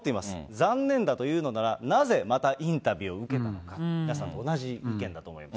残念だというのなら、なぜ、またインタビューを受けたのか、皆さん同じ意見だと思います。